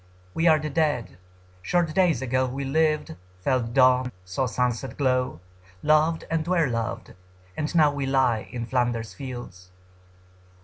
We are the Dead. Short days ago We lived, felt dawn, saw sunset glow, Loved and were loved, and now we lie, In Flanders fields.